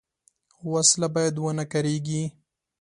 وسله باید ونهکارېږي